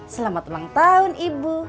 selamat ulang tahun ibu